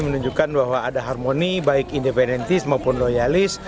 menunjukkan bahwa ada harmoni baik independensi maupun loyalis